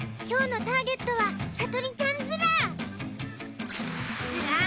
今日のターゲットはさとりちゃんズラ！